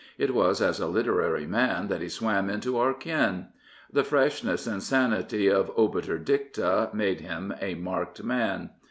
It was as a literary man that he swam into 'our ken. The freshness and sanity of Obiter Dicta made him a marked man.